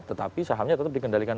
tetapi sahamnya tetap dikendalikan